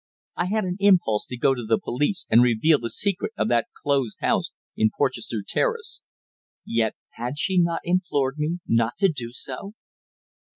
I had an impulse to go to the police and reveal the secret of that closed house in Porchester Terrace. Yet had she not implored me not to do so?